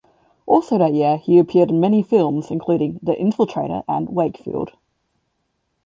Also that year, he appeared in many films, including "The Infiltrator" and "Wakefield".